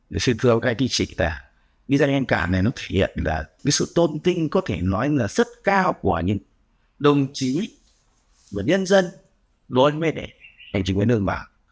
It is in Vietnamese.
để xin thưa các anh chị chị ta bí danh anh ca này nó thể hiện là cái sự tôn tinh có thể nói là sức cao của những đồng chí và nhân dân đối với đại hành chính quyền nước mạng